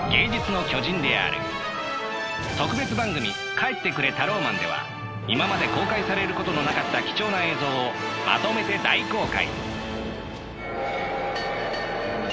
「帰ってくれタローマン」では今まで公開されることのなかった貴重な映像をまとめて大公開。